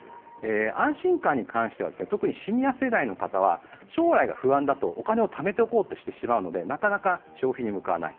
安心感に関しては、特にシニア世代の方は将来が不安だとお金をためておこうとしてしまうのでなかなか消費に向かわない。